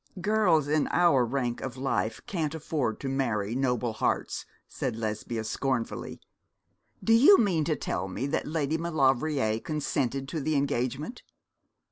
'Girls in our rank of life can't afford to marry noble hearts,' said Lesbia, scornfully. 'Do you mean to tell me that Lady Maulevrier consented to the engagement?'